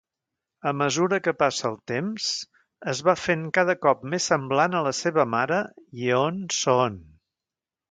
A mesura que passa el temps, es va fent cada cop més semblant a la seva mare Yeon-soon.